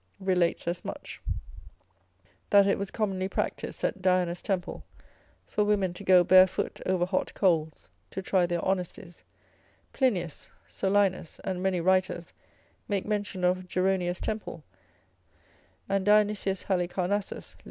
relates as much, that it was commonly practised at Diana's temple, for women to go barefoot over hot coals, to try their honesties: Plinius, Solinus, and many writers, make mention of Geronia's temple, and Dionysius Halicarnassus, lib.